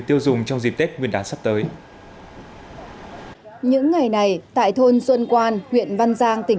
tiêu dùng trong dịp tết nguyên đán sắp tới những ngày này tại thôn xuân quan huyện văn giang tỉnh